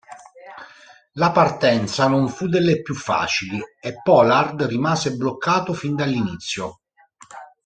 La partenza non fu delle più facili e Pollard rimase bloccato fin dall'inizio.